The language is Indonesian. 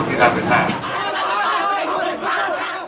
itu tidak benar